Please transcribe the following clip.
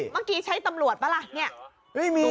เมื่อกี้ใช้ตำรวจป่ะล่ะเนี่ย